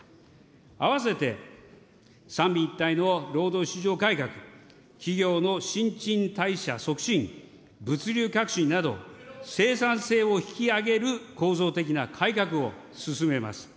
あわせて三位一体の労働市場改革、企業の新陳代謝促進、物流革新など、生産性を引き上げる構造的な改革を進めます。